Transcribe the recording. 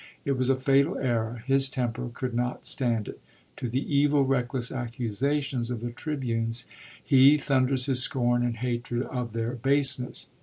It was a fatal error; his temper could not stand it. To the evil, reckless accusations of the tribunes he thunders his scorn and hatred of their baseness.